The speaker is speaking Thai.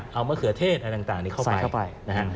เอามะเขือเทศอะไรต่างนี้เข้าไปนะฮะ